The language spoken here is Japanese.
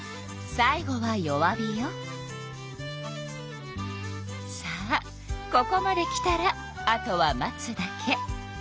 さあここまできたらあとは待つだけ。